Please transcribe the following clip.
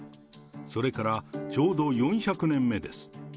それからちょうど４００年目です。